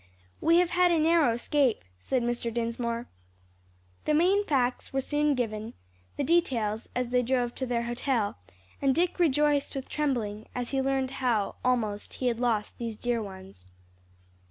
"We have had a narrow escape," said Mr. Dinsmore. The main facts were soon given, the details as they drove to their hotel, and Dick rejoiced with trembling, as he learned how, almost, he had lost these dear ones.